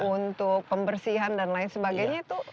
untuk pembersihan dan lain sebagainya itu